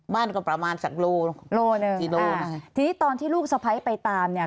บ้านก็ประมาณสักโลโลหนึ่งกิโลนะทีนี้ตอนที่ลูกสะพ้ายไปตามเนี่ย